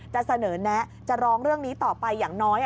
จะเสนอแนะจะร้องเรื่องนี้ต่อไปอย่างน้อย